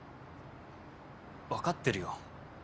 分かってるよ。